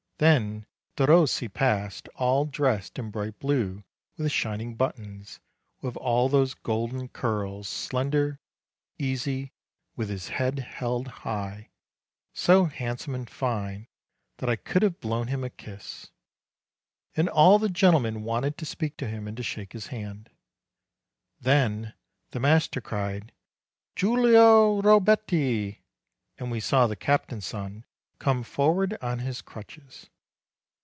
Then Derossi passed, all dressed in bright blue, with shining buttons, with all those golden curls, slender, easy, with his head held high, so handsome and fine, that I could have blown him a kiss; and all the gentlemen wanted to speak to him and to shake his hand. Then the master cried, "Giulio Robetti!" and we saw the captain's son come forward on his crutches.